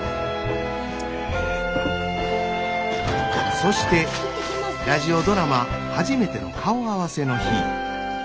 そしてラジオドラマ初めての顔合わせの日。